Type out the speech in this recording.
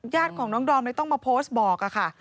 ญาติของน้องดอมเลยต้องมาโพสต์บอกค่ะ